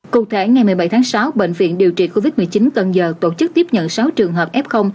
cụ thể ngày một mươi bảy tháng sáu bệnh viện điều trị covid một mươi chín cần giờ tổ chức tiếp nhận sáu trường hợp f